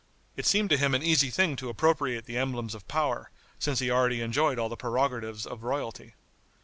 It seemed to him an easy thing to appropriate the emblems of power, since he already enjoyed all the prerogatives of royalty.